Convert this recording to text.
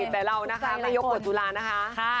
แต่เรานะคะไม่ยกเปิดสุรานะคะ